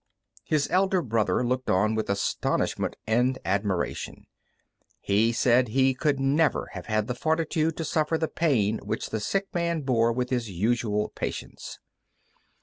His elder brother looked on with astonishment and admiration. He said he could never have had the fortitude to suffer the pain which the sick man bore with his usual patience.